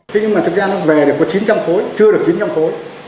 thế nhưng mà thực ra nó về được có chín trăm linh khối chưa được chín trăm linh khối